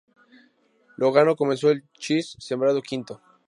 Logano comenzó el Chase sembrado quinto.